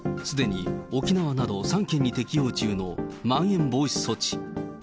すでに沖縄など３県に適用中のまん延防止措置。